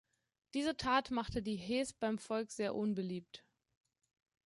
Diese Tat machte die Hes beim Volk sehr unbeliebt.